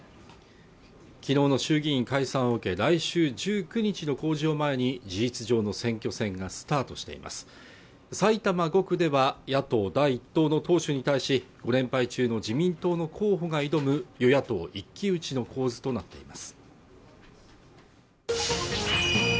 昨日の衆議院解散を受け来週１９日の公示を前に事実上の選挙戦がスタートしています埼玉５区では野党第１党の党首に対し５連敗中の自民党の候補が挑む与野党一騎打ちの構図となっています